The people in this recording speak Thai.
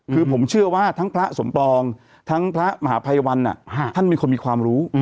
คือผมเชื่อว่าทั้งพระสมปองทั้งพระมหาภัยวันท่านเป็นคนมีความรู้